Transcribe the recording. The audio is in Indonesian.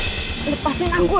lepasin aku lex